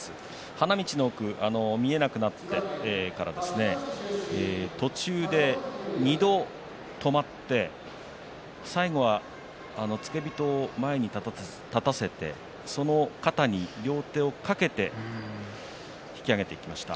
花道の奥、見えなくなってから途中で２度止まって最後は付け人を前に立たせてその肩に両手をかけて引き揚げていきました。